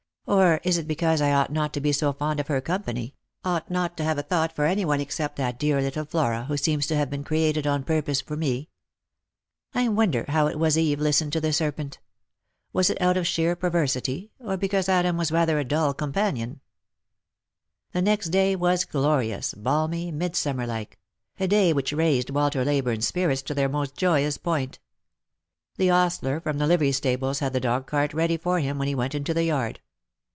Or is it because I ought not to be so fond of her company? ought not to have a thought for any one except that dear little Flora, who seems to have been created on purpose for me ? I wonder how it was Eve listened to the serpent ? Was it out of sheer perversity, or because Adam was rather a dull com panion?" The next day was glorious, balmy, midsummer like ; a day which raised Walter Leybume's spirits to their most joyous point. The ostler from the livery stables had the dog cart ready for him when he went into the yard.